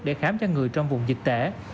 để khám cho người trong vùng dịch tễ